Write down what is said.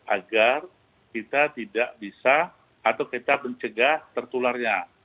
agar kita tidak bisa atau kita mencegah tertularnya